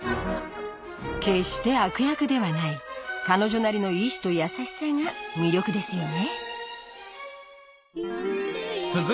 決して悪役ではない彼女なりの意志と優しさが魅力ですよね